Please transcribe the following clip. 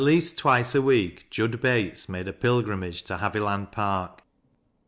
'asi twice a week Jud Bates made a pilgrimage ti ilaviland Park.